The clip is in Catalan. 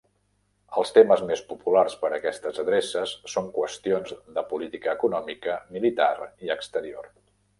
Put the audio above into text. Els temes més populars per a aquestes adreces són qüestions de política econòmica, militar i exterior.